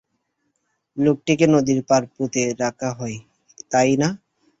লোকটিকে নদীর পাড়ে পুঁতে রাখা হয়, তাই না?